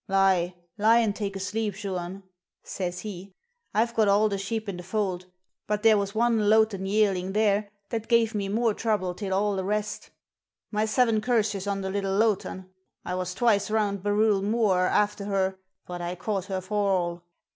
'Lie, lie an' take a sleep, Juan,' says he; 'I've got all the sheep in the fold, but there was one loaghtan (brown native sheep) yearling there that give me more trouble till all the res'. My seven curses on the little loaghtan! I was twice round Barrule Mooar afther her, but I caught her for all.'